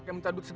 hah mau gabung